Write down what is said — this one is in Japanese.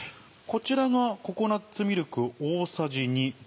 こちらがココナッツミルク大さじ２。